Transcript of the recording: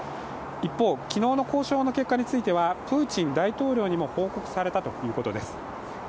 一方、昨日の交渉の結果についてはプーチン大統領にも報告されたということです。